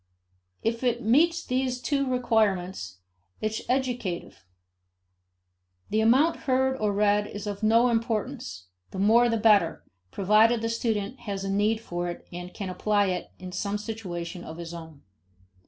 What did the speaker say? If it meets these two requirements, it is educative. The amount heard or read is of no importance the more the better, provided the student has a need for it and can apply it in some situation of his own.